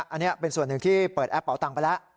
อันนี้เป็นส่วนหนึ่งที่เปิดแอปเป่าตังค์ไปแล้ว